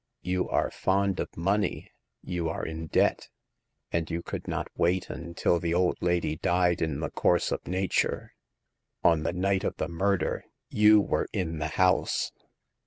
You are fond of money ; you are in debt, and you could not wait until the old lady died in the course of nature. On the night of the murder; you were in the house.'